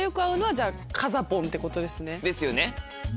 ですよね？